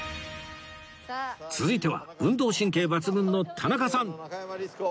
続いては運動神経抜群の田中さん